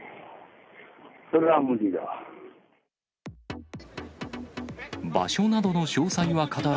それは無理だわ。